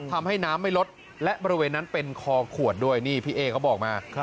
ทำให้น้ำไม่ลดและบริเวณนั้นเป็นคอขวดด้วยนี่พี่เอ๊เขาบอกมา